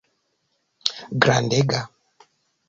Grandega.